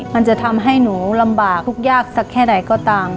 มันจะทำให้หนูลำบากทุกข์ยากสักแค่ไหนก็ตาม